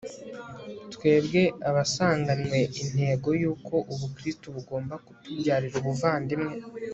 twebwe abasanganwe intego y'uko ubukristu bugomba kutubyarira ubuvandimwe